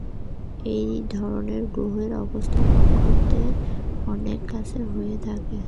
এধরণের গ্রহের অবস্থান নক্ষত্রের অনেক কাছে হয়ে থাকে।